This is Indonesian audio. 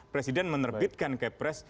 presiden menerbitkan ke pres